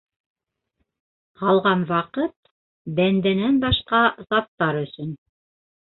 Ҡалған ваҡыт - бәндәнән башҡа заттар өсөн...